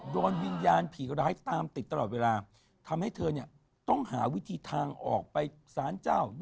โดนวิญญาณผีร้ายตามติดตลอดเวลาทำให้เธอเนี่ยต้องหาวิธีทางออกไปสารเจ้า